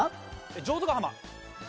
浄土ヶ浜。